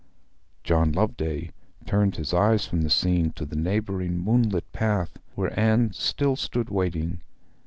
John Loveday turned his eyes from the scene to the neighbouring moonlit path, where Anne still stood waiting.